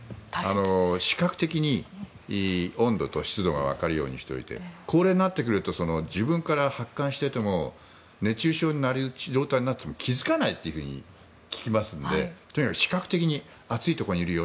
視覚的に温度と湿度がわかるようにしておいて高齢になってくると自分から発汗していても熱中症になる状態になっても気付かないって聞きますのでとにかく視覚的に暑いところにいるよ